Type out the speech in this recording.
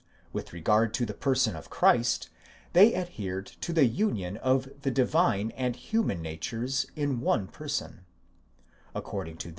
1* With regard to the person of Christ, they adhered to the union of the divine and human natures in one person: according to.